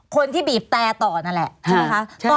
คนที่บีบแต่ต่อนั่นแหละใช่ไหมคะ